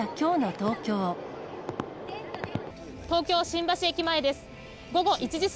東京・新橋駅前です。